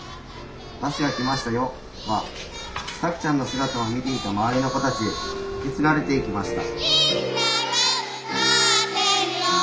「『バスが来ましたよ』はさきちゃんの姿を見ていた周りの子たちへ受け継がれていきました」。